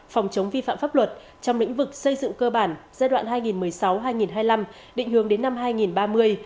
phòng chống vi phạm pháp luật trong lĩnh vực xây dựng cơ bản giai đoạn hai nghìn một mươi sáu hai nghìn hai mươi năm định hướng đến năm hai nghìn ba mươi